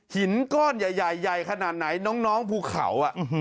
หินก้อนใหญ่ขนาดไหนน้องภูเขาอ่ะ